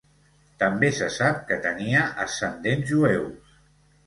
També se sap que tenia ascendents jueus.